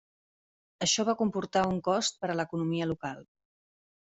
Això va comportar un cost per a l'economia local.